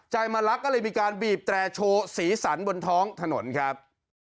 มารักก็เลยมีการบีบแตรโชว์สีสันบนท้องถนนครับ